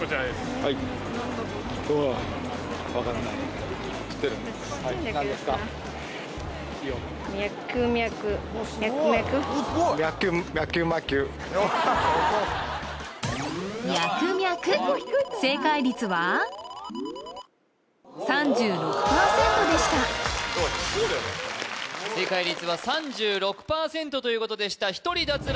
はいいいよでした正解率は３６％ということでした１人脱落